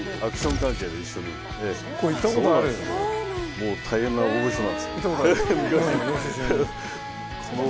もう大変な大御所なんですよ。